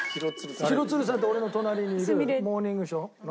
廣津留さんって俺の隣にいる『モーニングショー』の。